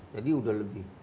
jadi udah lebih